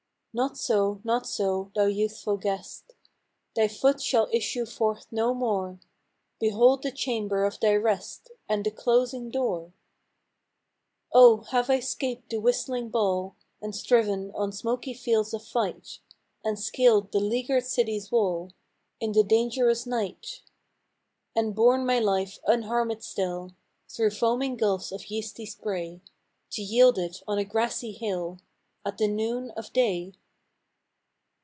" Not so, not so, thou youthful guest, Thy foot shall issue forth no more; Behold the chamber of thy rest, And the closing door !"" O, have I 'scaped the whistling ball, And striven on smoky fields of fight, And scaled the 'leaguered city's wall In the dangerous night; " And borne my life unharmed still Through foaming gulfs of yeasty spray, To yield it on a grassy hill At the noon of day